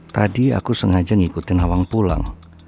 tadi aku sengaja ngikutin hawang pulang